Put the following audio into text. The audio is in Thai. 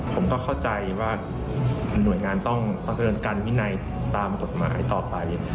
ผมก็เข้าใจว่าหน่วยงานต้องประเมินการวินัยตามกฎหมายต่อไป